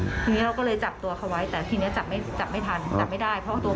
ทีนี้เราก็เลยจับตัวเขาไว้แต่ทีนี้จับไม่ทัน